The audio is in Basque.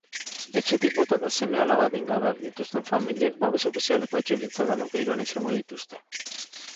Etxetik bota eta seme-alaba adingabeak dituzten familiek babes ofizialeko etxebizitzak alokairuan izango dituzte.